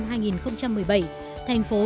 thành phố đã tiếp tục